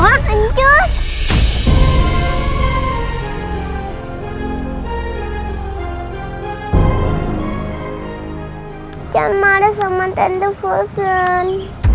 jangan marah sama tante fosun